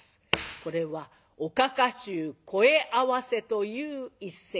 これは「おかか衆声合わせ」という一席。